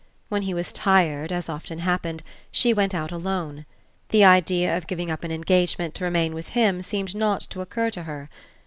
When he was tired, as often happened, she went out alone; the idea of giving up an engagement to remain with him seemed not to occur to her.